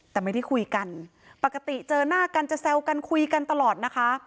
แต่ไม่ได้คุยกันปกติเจอหน้ากันจะแซวกันคุยกันตลอดนะคะ